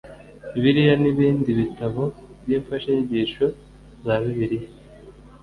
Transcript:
bibiliya n ibindi bitabo by imfashanyigisho za bibiliya